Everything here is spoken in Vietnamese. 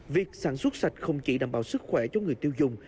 việc sản xuất sạch không chỉ đảm bảo sức khỏe cho người tiêu dùng